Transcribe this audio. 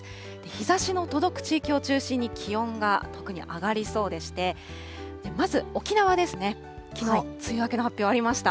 日ざしの届く地域を中心に、気温が特に上がりそうでして、まず沖縄ですね、きのう、梅雨明けの発表ありました。